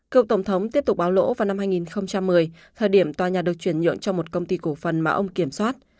cựu tổng thống tiếp tục báo lỗ vào năm hai nghìn một mươi thời điểm tòa nhà được chuyển nhượng cho một công ty cổ phần mà ông kiểm soát